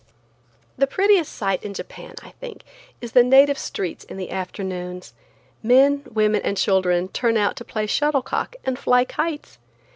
The prettiest sight in Japan, I think, is the native streets in the afternoons. Men, women and children turn out to play shuttle cock and fly kites.